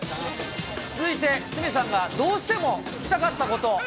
続いて鷲見さんがどうしても聞きたかったこと。